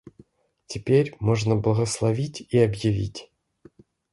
Теперь можно благословить и объявить.